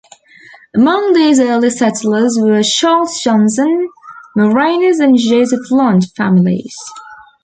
Among these early settlers were Charles Johnson, Marenus and Joseph Lund families.